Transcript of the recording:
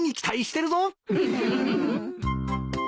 ウフフフ。